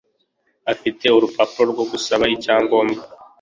Afite urupapuro rwo gusaba icyangombwa?